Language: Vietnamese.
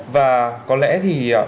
và có lẽ thì